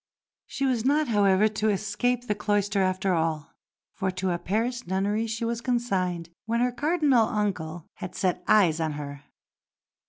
She was not, however, to escape the cloister after all, for to a Paris nunnery she was consigned when her Cardinal uncle had set eyes on her.